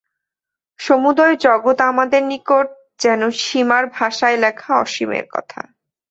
সমুদয় জগৎ আমাদের নিকট যেন সীমার ভাষায় লেখা অসীমের কথা।